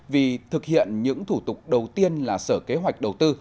vì thực hiện những thủ tục đầu tiên là sở kế hoạch đầu tư